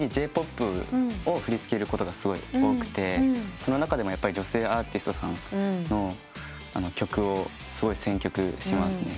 その中でもやっぱり女性アーティストさんの曲をすごい選曲しますね。